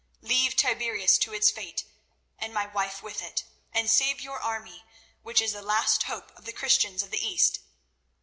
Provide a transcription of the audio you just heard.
Leave Tiberias to its fate and my wife with it, and save your army, which is the last hope of the Christians of the East.